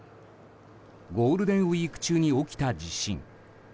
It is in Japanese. ゴールデンウィーク中に起きた地震。